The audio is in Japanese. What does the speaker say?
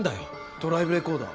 ドライブレコーダー？